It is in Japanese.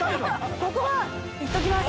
ここはいっときます！